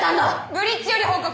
ブリッジより報告！